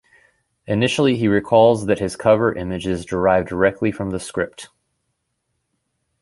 Initially, he recalls that his cover images derived directly from the script.